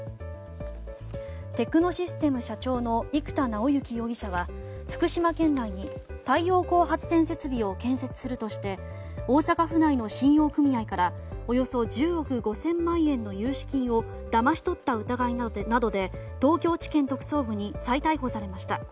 テクノシステム社長の生田尚之容疑者は福島県内に太陽光発電整備を建設するとして大阪府内の信用組合からおよそ１０億５０００万円の融資金をだまし取った疑いなどで東京地検特捜部に再逮捕されました。